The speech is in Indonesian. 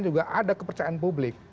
juga ada kepercayaan publik